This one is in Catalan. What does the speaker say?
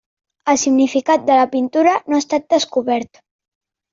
El significat de la pintura no ha estat descobert.